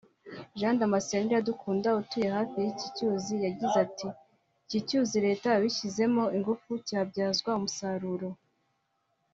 Jean Damascene Iradukunda utuye hafi y’iki cyuzi yagize ati “Iki cyuzi Leta ibishyizemo ingufu cyabyazwa umusaruro